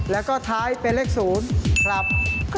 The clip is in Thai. และท้ายเป็นเลข๐